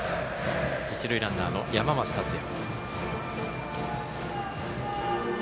一塁ランナーの山増達也。